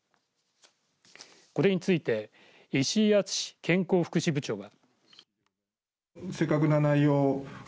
これについて石井敦健康福祉部長は。